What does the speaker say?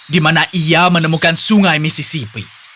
di mana ia menemukan sungai misisipi